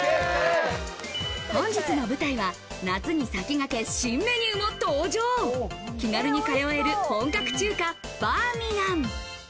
本日の舞台は、夏に先駆け新メニューも登場、気軽に通える本格中華バーミヤン。